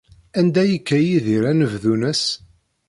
Anda ay yekka Yidir anebdu-nnes?